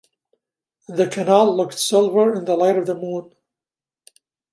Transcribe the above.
The canal looked silver in the light of the moon.